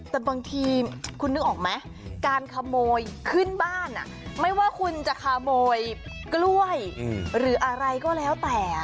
แต่บางทีคุณนึกออกไหมการขโมยขึ้นบ้านไม่ว่าคุณจะขโมยกล้วยหรืออะไรก็แล้วแต่